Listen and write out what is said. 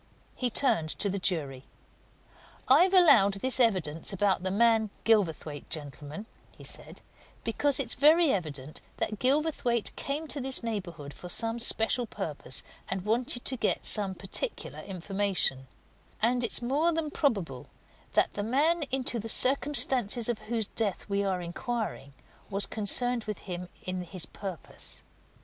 He turned to the jury. "I've allowed this evidence about the man Gilverthwaite, gentlemen," he said, "because it's very evident that Gilverthwaite came to this neighbourhood for some special purpose and wanted to get some particular information; and it's more than probable that the man into the circumstances of whose death we're inquiring was concerned with him in his purpose.